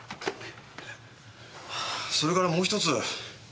それからもう１つ。